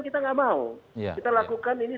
kita nggak mau kita lakukan ini